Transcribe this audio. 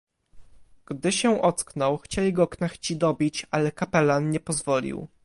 "Gdy się ocknął, chcieli go knechci dobić, ale kapelan nie pozwolił."